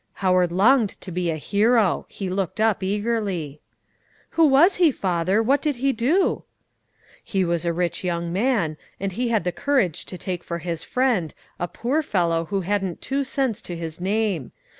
Howard longed to be a hero; he looked up eagerly. "Who was he, father? What did he do?" "He was a rich young man, and he had the courage to take for his friend a poor fellow who hadn't two cents to his name.